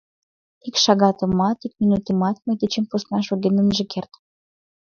Ик шагатымат, ик минутымат мый дечем посна шоген ынже керт!